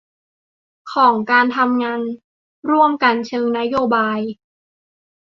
ของการทำงานร่วมกันเชิงนโบาย